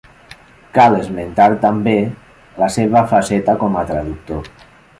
Cal esmentar també la seva faceta com a traductor.